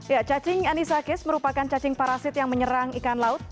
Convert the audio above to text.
ya cacing anisakis merupakan cacing parasit yang menyerang ikan laut